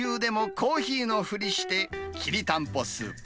コーヒーのふりしてきりたんぽスープ。